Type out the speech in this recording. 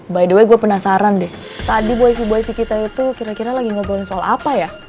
by the way gue penasaran deh tadi boy di kita itu kira kira lagi ngobrolin soal apa ya